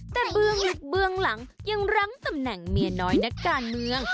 แต่เบื้องลึกเบื้องหลังยังรั้งตำแหน่งเมียน้อยนักการเมือง